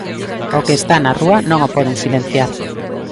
O que está na rúa non o poden silenciar.